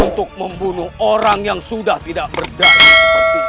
untuk membunuh orang yang sudah tidak berdiri seperti